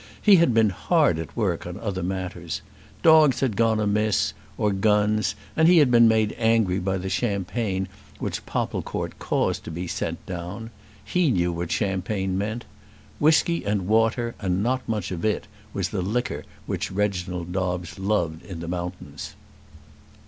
He had been hard at work on other matters. Dogs had gone amiss, or guns, and he had been made angry by the champagne which Popplecourt caused to be sent down. He knew what champagne meant. Whisky and water, and not much of it, was the liquor which Reginald Dobbes loved in the mountains.